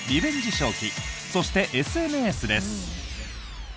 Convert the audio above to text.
消費そして、ＳＮＳです。